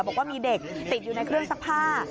บอกว่ามีเด็กติดอยู่ในเครื่องซักผ้า